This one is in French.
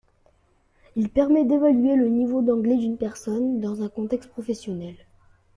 Il permet d’évaluer le niveau d'anglais d'une personne dans un contexte professionnel.